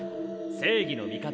「正義の味方